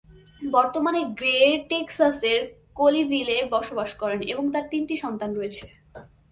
বর্তমানে, গ্রের টেক্সাসের কোলিভিলে বসবাস করেন এবং তার তিনটি সন্তান রয়েছে।